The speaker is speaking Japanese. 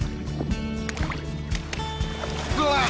うわっ。